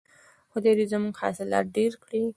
خدای دې زموږ حاصلات ډیر کړي.